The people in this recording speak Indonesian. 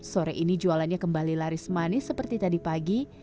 sore ini jualannya kembali laris manis seperti tadi pagi